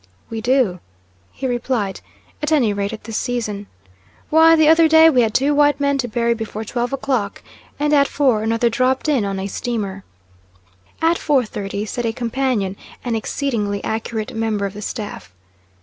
"We do," he replied, "at any rate at this season. Why, the other day we had two white men to bury before twelve o'clock, and at four, another dropped in on a steamer." "At 4.30," said a companion, an exceedingly accurate member of the staff.